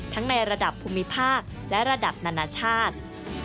ในระดับภูมิภาคและระดับนานาชาติ